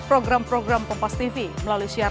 rencana habis ini kemana ya bu